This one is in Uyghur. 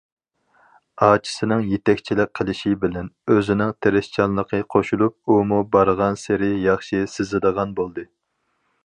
ئاچىسىنىڭ يېتەكچىلىك قىلىشى بىلەن، ئۆزىنىڭ تىرىشچانلىقى قوشۇلۇپ، ئۇمۇ بارغانسېرى ياخشى سىزىدىغان بولدى.